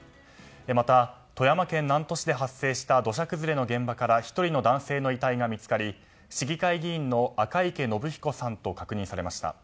また、富山県南砺市で発生した土砂崩れの現場から１人の男性の遺体が見つかり市議会議員の赤池伸彦さんと確認されました。